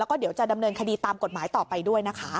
แล้วก็เดี๋ยวจะดำเนินคดีตามกฎหมายต่อไปด้วยนะคะ